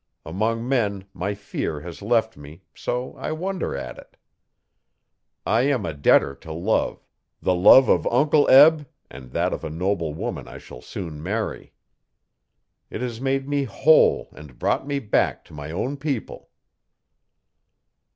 Among men my fear has left me, so I wonder at it. I am a debtor to love the love of Uncle Eb and that of a noble woman I shall soon marry. It has made me whole and brought me back to my own people.